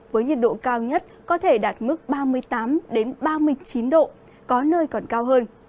với nhiệt độ cao nhất có thể đạt mức ba mươi tám ba mươi chín độ có nơi còn cao hơn